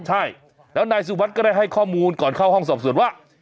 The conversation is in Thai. ใช่แล้วนายสุวัสดิ์ก็ได้ให้ข้อมูลก่อนเข้าห้องสอบส่วนว่า